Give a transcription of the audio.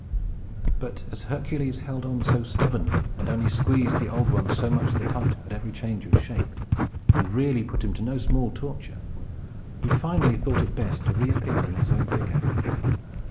But, as Hercules held on so stubbornly, and only squeezed the Old One so much the tighter at every change of shape, and really put him to no small torture, he finally thought it best to reappear in his own figure.